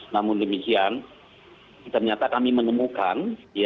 namun demikian ternyata kami menemukan